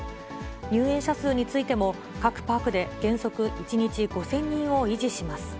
入園者数についても、各パークで原則、１日５０００人を維持します。